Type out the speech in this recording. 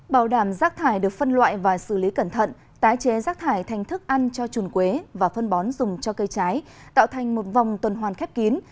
bảo đảm rác thải được phân loại và xử lý cẩn thận tái chế rác thải thành thức ăn cho chuồn quế và phân bón dùng cho cây trái tạo thành một vòng tuần hoàn khép kín